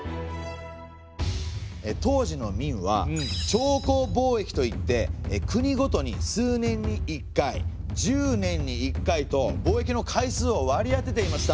当時の明は朝貢貿易といって国ごとに数年に１回１０年に１回と貿易の回数を割り当てていました。